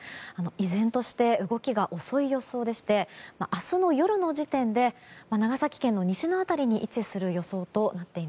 依然として動きが遅い予想でして明日の夜の時点で長崎県の西辺りに位置する予想です。